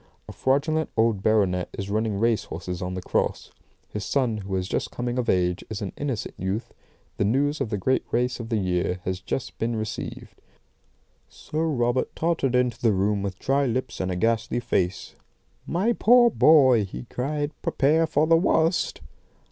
A fraudulent old baronet is running race horses on the cross. His son, who is just coming of age, is an innocent youth. The news of the great race of the year has just been received. "Sir Robert tottered into the room with dry lips and a ghastly face. "'My poor boy!' he cried. 'Prepare for the worst!